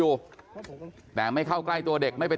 เพื่อนบ้านเจ้าหน้าที่อำรวจกู้ภัย